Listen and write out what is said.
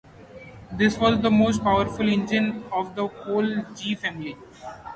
This was the most powerful engine of the whole G family.